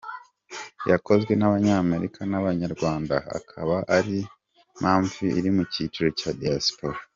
Yakozwe n’Abanyamerika n’Abanyarwanda, akaba ariyo mpamvu iri mu cyiciro cya diaspora.